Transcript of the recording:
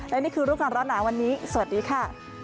และนี่คือรูปการณ์หนาวันนี้สวัสดีค่ะ